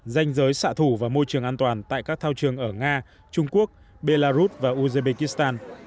danh giới xạ thủ và môi trường an toàn tại các thao trường ở nga trung quốc belarus và uzbekistan